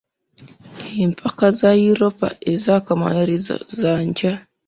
Empaka za Yuropa ez’akamalirizo za nkya.